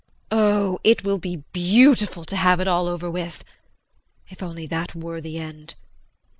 Oh, it will be beautiful to have it all over with if only that were the end!